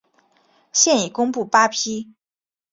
现已公布八批。